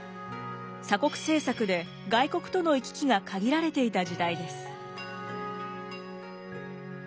鎖国政策で外国との行き来が限られていた時代です。